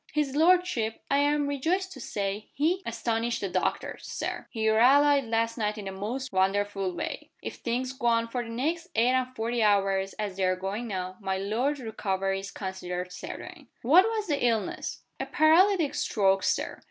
"His lordship, I am rejoiced to say, has astonished the doctors, Sir. He rallied last night in the most wonderful way. If things go on for the next eight and forty hours as they are going now, my lord's recovery is considered certain." "What was the illness?" "A paralytic stroke, Sir.